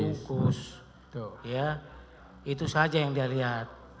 jukus ya itu saja yang dia lihat